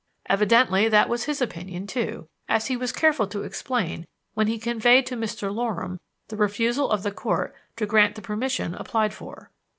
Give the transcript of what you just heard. Evidently that was his opinion, too, as he was careful to explain when he conveyed to Mr. Loram the refusal of the Court to grant the permission applied for.